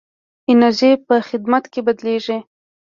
انرژي په خدمت کې بدلېږي.